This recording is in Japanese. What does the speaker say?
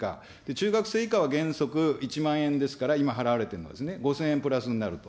中学生以下は原則１万円ですから、今、払われてるんですね、５０００円プラスになると。